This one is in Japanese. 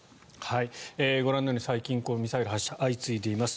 ご覧のように最近、ミサイルの発射が相次いでいます。